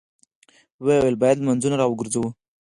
ويې ويل: بايد لمونځونه راوګرځوو!